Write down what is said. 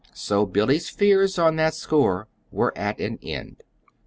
So Billy's fears on that score were at an end.